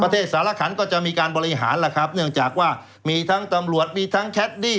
สารขันก็จะมีการบริหารล่ะครับเนื่องจากว่ามีทั้งตำรวจมีทั้งแคดดี้